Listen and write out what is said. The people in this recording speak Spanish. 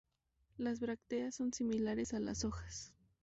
Las brácteas son similares a las hojas.